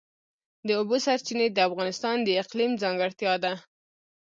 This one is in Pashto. د اوبو سرچینې د افغانستان د اقلیم ځانګړتیا ده.